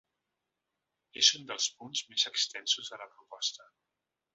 És un dels punts més extensos de la proposta.